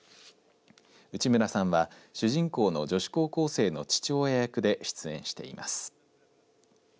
内村さんは主人公の女子高校生の父親役で出演しています。